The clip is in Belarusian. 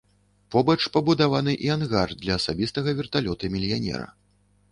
Побач пабудаваны і ангар для асабістага верталёта мільянера.